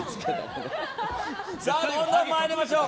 どんどん参りましょう。